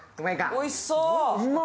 ・おいしそう